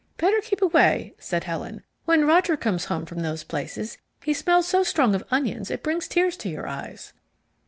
"Better keep away," said Helen. "When Roger comes home from those places he smells so strong of onions it brings tears to my eyes."